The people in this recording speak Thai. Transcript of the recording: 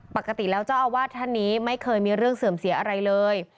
ปกติแล้วเจ้าอาวาสท่านนี้ไม่เคยมีเรื่องเสื่อมเสียอะไรเลย